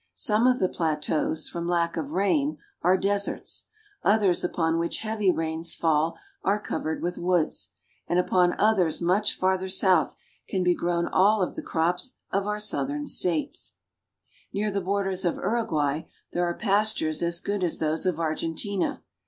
Some of the plateaus, from lack of rain, are deserts, others upon which heavy rains fall are covered with woods, and upon others much farther south can be grown all the crops of our Southern States. SOUTHERN BRAZIL. 25 I Near the borders of Uruguay there are pastures as good as those of Argentina.